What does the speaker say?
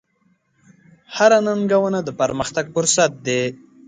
هره ننګونه د پرمختګ فرصت دی.